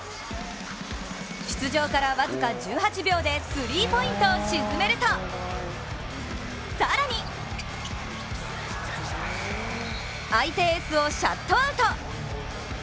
出場から僅か１８秒でスリーポイントを沈めると、更に相手エースをシャットアウト！